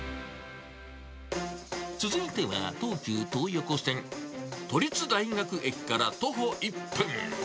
続いては、東急東横線都立大学駅から徒歩１分。